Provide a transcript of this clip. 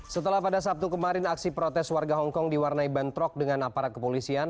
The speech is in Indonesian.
setelah pada sabtu kemarin aksi protes warga hongkong diwarnai bentrok dengan aparat kepolisian